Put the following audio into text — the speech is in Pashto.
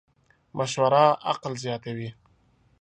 مشوره عقل زیاتوې.